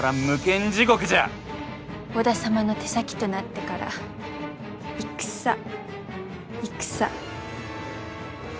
織田様の手先となってから戦戦戦。